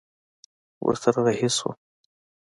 ورسره رهي سوم.